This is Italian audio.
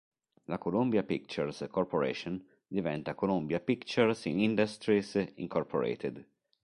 La Columbia Pictures Corporation diventa Columbia Pictures Industries, Inc.